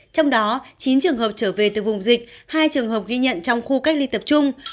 trong đó chín trường hợp trở về từ vùng dịch hai trường hợp ghi nhận trong khu cách ly tập trung